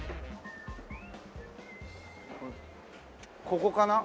ここかな？